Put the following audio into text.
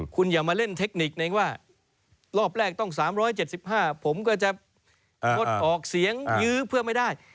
คุณอย่ามาเล่นเทคนิคนึงว่ารอบแรกต้อง๓๗๕ผมก็จะงดออกเสียงยื้อเพื่อไม่ได้